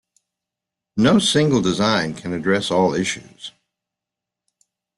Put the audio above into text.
No single design can address all issues.